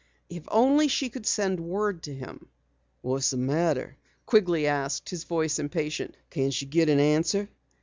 If only she could send word to him! "What's the matter?" Quigley asked, his voice impatient. "Can't you get an answer?"